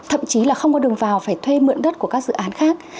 thậm chí là không có đường vào phải thuê mượn đất của các dự án khác